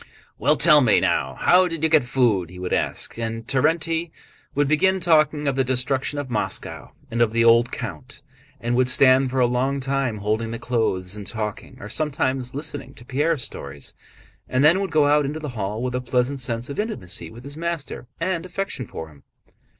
"Well, tell me... now, how did you get food?" he would ask. And Terénty would begin talking of the destruction of Moscow, and of the old count, and would stand for a long time holding the clothes and talking, or sometimes listening to Pierre's stories, and then would go out into the hall with a pleasant sense of intimacy with his master and affection for him.